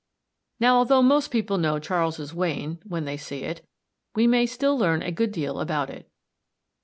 ] Now, although most people know Charles's Wain when they see it, we may still learn a good deal about it.